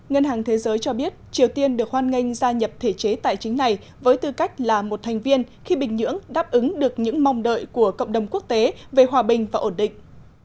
ngân hàng thế giới cho biết triều tiên được hoan nghênh gia nhập thể chế tài chính này với tư cách là một thành viên khi bình nhưỡng đáp ứng được những mong đợi của cộng đồng quốc tế về hòa bình và ổn định